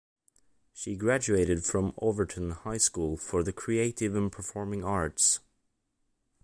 She graduated from Overton High School for the Creative and Performing Arts.